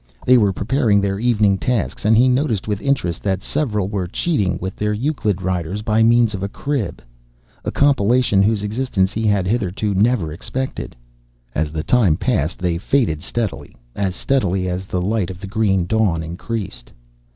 They were preparing their evening tasks, and he noticed with interest that several were cheating with their Euclid riders by means of a crib, a compilation whose existence he had hitherto never suspected. As the time passed, they faded steadily, as steadily as the light of the green dawn increased.